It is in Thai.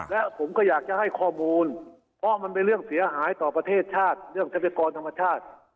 และผมก็อยากจะให้ข้อมูลเพราะมันเป็นเรื่องเสียหายต่อประเทศชาติเรื่องทรัพยากรธรรมชาติ